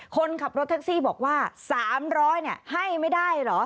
คนขับรถแท็กซี่บอกว่า๓๐๐ให้ไม่ได้เหรอ